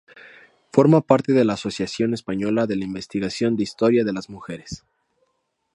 Forma parte de la Asociación Española de Investigación de Historia de las Mujeres.